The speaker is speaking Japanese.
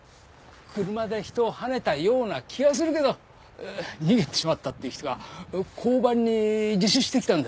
車で人をはねたような気がするけど逃げてしまったって人が交番に自首してきたんだけどね。